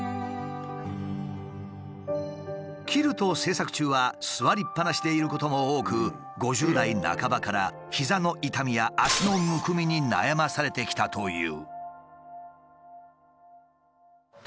キルト制作中は座りっぱなしでいることも多く５０代半ばから膝の痛みや脚のむくみに悩まされてきたという。